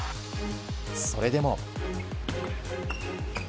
それでも。